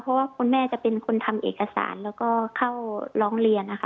เพราะว่าคุณแม่จะเป็นคนทำเอกสารแล้วก็เข้าร้องเรียนนะคะ